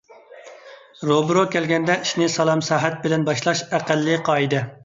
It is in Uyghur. روبىرو كەلگەندە ئىشنى سالام - سەھەت بىلەن باشلاش ئەقەللىي قائىدە.